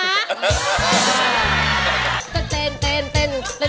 อะไรนะ